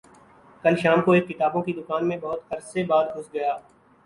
کل شام کو ایک کتابوں کی دکان میں بہت عرصے بعد گھس گیا